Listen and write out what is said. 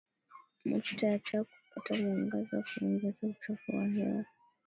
mafuta ya taa kupata mwangaza huongeza uchafuzi wa hewa